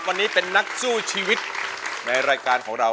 วันนี้เป็นนักสู้ชีวิตในรายการของเรา